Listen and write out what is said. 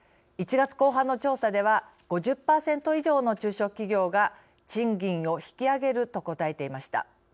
１月後半の調査では５０％以上の中小企業が賃金を引き上げると答えていました。